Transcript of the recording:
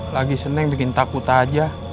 lagi seneng bikin takut aja